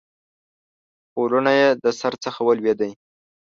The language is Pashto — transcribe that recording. پوړنی یې د سر څخه ولوېدی